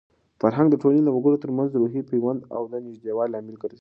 فرهنګ د ټولنې د وګړو ترمنځ د روحي پیوند او د نږدېوالي لامل ګرځي.